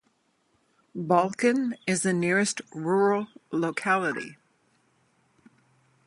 Balkan is the nearest rural locality.